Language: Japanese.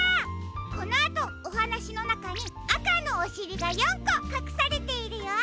このあとおはなしのなかにあかのおしりが４こかくされているよ。